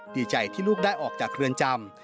ดีใจที่ลูกได้ออกจากเรือนจำ